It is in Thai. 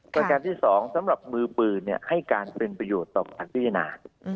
ประการที่๒สำหรับมือปืนให้การเป็นประโยชน์ต่อการพิจารณา